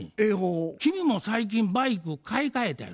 君も最近バイク買い替えたやろ。